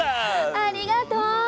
ありがとう！